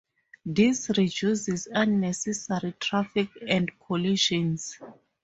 This reduces unnecessary traffic and collisions.